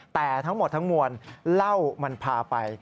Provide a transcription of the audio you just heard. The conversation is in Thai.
แต่ทั้งหมดทั้งมวลเหล้ามันพาไป